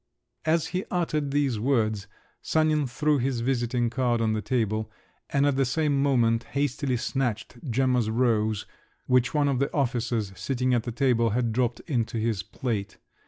As he uttered these words, Sanin threw his visiting card on the table, and at the same moment hastily snatched Gemma's rose, which one of the officers sitting at the table had dropped into his plate.